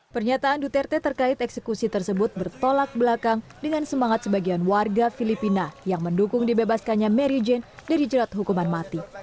pernyataan duterte terkait eksekusi tersebut bertolak belakang dengan semangat sebagian warga filipina yang mendukung dibebaskannya mary jane dari jerat hukuman mati